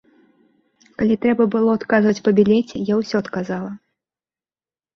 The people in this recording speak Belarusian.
Калі трэба было адказваць па білеце, я ўсё адказала.